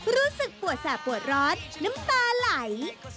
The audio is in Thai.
รู้สึกปวดแสบปวดร้อนน้ำตาไหล